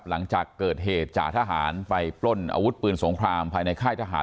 หลังจากเกิดเหตุจ่าทหารไปปล้นอาวุธปืนสงครามภายในค่ายทหาร